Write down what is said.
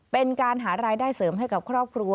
เป็นการหารายได้เสริมให้กับครอบครัว